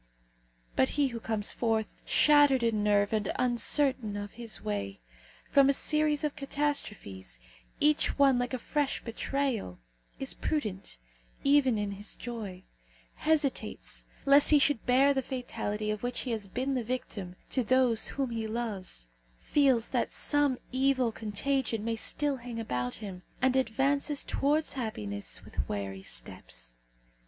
But he who comes forth, shattered in nerve and uncertain of his way, from a series of catastrophes, each one like a fresh betrayal, is prudent even in his joy; hesitates, lest he should bear the fatality of which he has been the victim to those whom he loves; feels that some evil contagion may still hang about him, and advances towards happiness with wary steps.